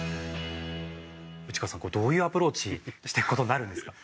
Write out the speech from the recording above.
内川さんこれどういうアプローチしていく事になるんですか？